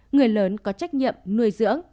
người lớn có trách nhiệm nuôi dưỡng